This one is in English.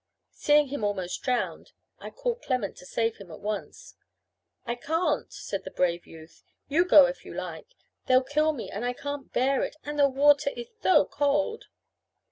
Seeing him almost drowned, I called Clement to save him at once. "I can't," said the brave youth; "you go if you like. They'll kill me, and I can't bear it; and the water ith tho cold."